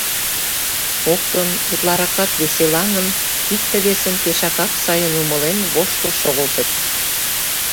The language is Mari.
Коктын, утларакат веселаҥын, икте-весым пешакак сайын умылен, воштыл шогылтыт.